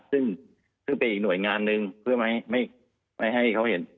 ซึ่งเป็นอีกหน่วยงานหนึ่งเพื่อไม่ให้เขาเห็น